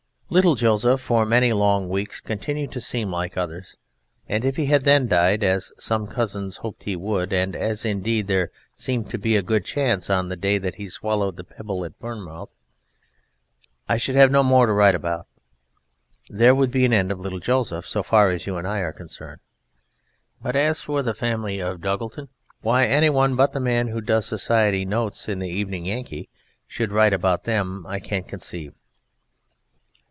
Little Joseph for many long weeks continued to seem much like others, and if he had then died (as some cousins hoped he would, and as, indeed, there seemed to be a good chance on the day that he swallowed the pebble at Bournemouth) I should have no more to write about. There would be an end of little Joseph so far as you and I are concerned; and as for the family of Duggleton, why any one but the man who does Society Notes in the Evening Yankee should write about them I can't conceive.